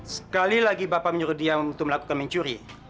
sekali lagi bapak menyuruh dia untuk melakukan mencuri